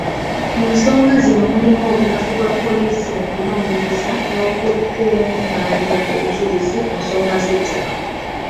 Mu nsonga zino mulimu obunafu bwa poliisi mu kunoonyereza n’okukungaanya obujulizi ku nsonga z’ettaka